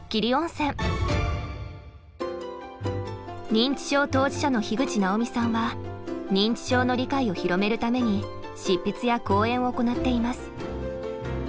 認知症当事者の樋口直美さんは認知症の理解を広めるために執筆や講演を行っています。